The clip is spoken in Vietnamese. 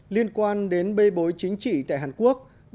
liên quan đến bê bối chính trị tại hàn quốc